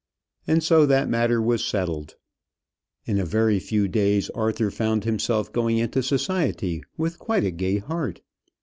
And so that matter was settled. In a very few days Arthur found himself going into society with quite a gay heart.